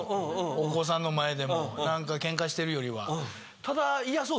お子さんの前でも何かケンカしてるよりは。